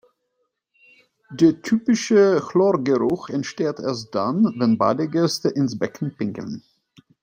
Der typische Chlorgeruch entsteht erst dann, wenn Badegäste ins Becken pinkeln.